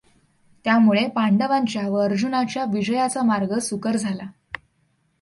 त्यामुळे पांडवांच्या व अर्जुनाच्या विजयाचा मार्ग सुकर झाला.